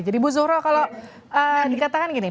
jadi bu zuhro kalau dikatakan gini